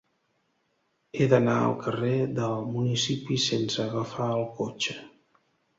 He d'anar al carrer del Municipi sense agafar el cotxe.